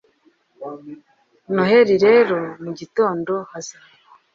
noheri rero mugitondo hazaba